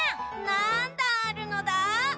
なんだんあるのだ？